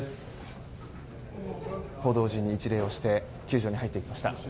報道陣に一礼をして球場に入っていきました。